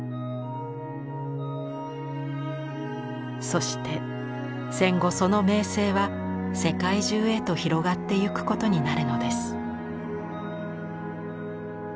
そして戦後その名声は世界中へと広がってゆくことになるのです。